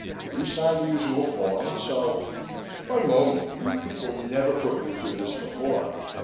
You signed the usual form, so " "One moment! You people never put me through this before!